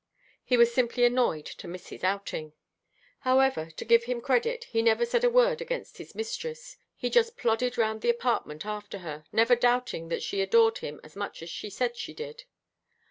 He was simply annoyed to miss his outing. However, to give him credit, he never said a word against his mistress. He just plodded round the apartment after her, never doubting that she adored him as much as she said she did.